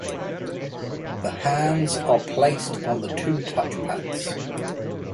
The hands are placed on the two touch pads.